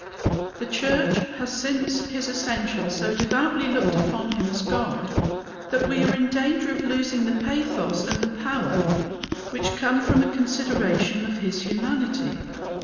The church has since his ascension so devoutly looked upon him as God that we are in danger of losing the pathos and the power which come from a consideration of his humanity.